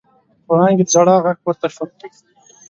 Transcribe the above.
وړانګې د ژړا غږ پورته شو.